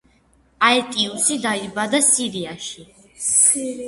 აეტიუსი დაიბადა სირიაში.